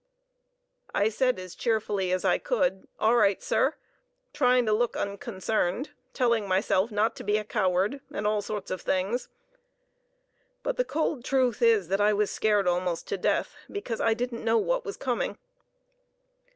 I said as cheerfully as I could, "All right, sir," trying to look unconcerned, telling myself not to be a coward, and all sorts of things; but the cold truth is that I was scared almost to death because I didn't know what was coming.